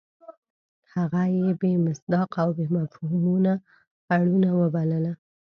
هغه یې بې مصداقه او مفهومونو اړونه وبلله.